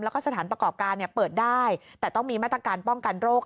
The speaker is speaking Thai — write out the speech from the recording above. แล้วก็สถานประกอบการเปิดได้แต่ต้องมีมาตรการป้องกันโรค